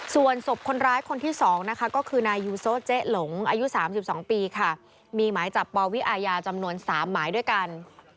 ส่วนศพคนร้ายคนที่๒นะคะก็คือนายยูโซเจ๊หลงอายุ๓๒ปีค่ะมีหมายจับปวิอาญาจำนวน๓หมายด้วยกัน